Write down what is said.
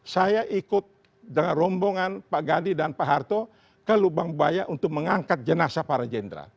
seribu sembilan ratus enam puluh lima saya ikut dengan rombongan pak gandhi dan pak harto ke lubang baya untuk mengangkat jenazah para jenderal